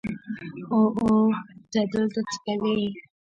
او او ته دلته څه کوې.